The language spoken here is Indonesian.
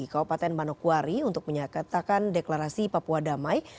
kabupaten manokwari untuk menyatakan deklarasi papua damai